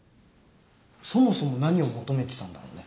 そもそも何を求めてたんだろうね。